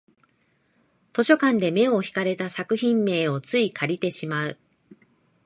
図書館で目を引かれた作品名をつい借りてしまう